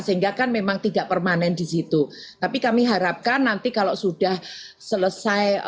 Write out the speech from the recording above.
sehingga kan memang tidak permanen di situ tapi kami harapkan nanti kalau sudah selesai